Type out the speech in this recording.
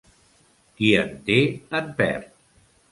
Qui en té en perd.